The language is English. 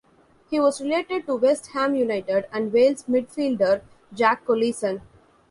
He was related to West Ham United and Wales midfielder Jack Collison.